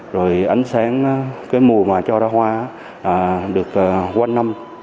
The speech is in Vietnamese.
rồi ánh sáng cái mùa mà cho ra hoa được quanh năm